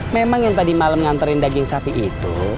memang yang tadi malam nganterin daging sapi itu